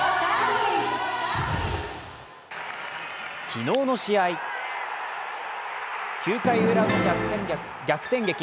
昨日の試合、９回ウラの逆転劇。